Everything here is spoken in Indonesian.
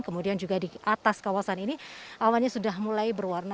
kemudian juga di atas kawasan ini awannya sudah mulai berwarna